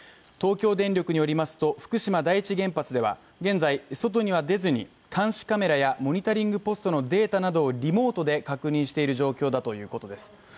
東京電力によりますと、福島第１原発では現在、外には出ずに、監視カメラやモニタリングポストのデータなどをリモートで確認している状況だということです。